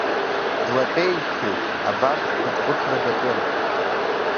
Длатәеижьҭеи абарҭ рызхәыцра даҿын.